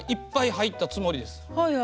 入ったつもりです。